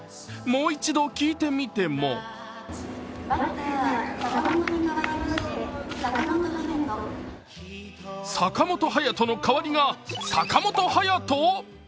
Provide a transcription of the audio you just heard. もう一度聞いてみても坂本勇人の代わりが坂本勇人？